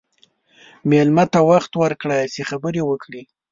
مېلمه ته وخت ورکړه چې خبرې وکړي.